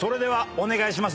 お願いします。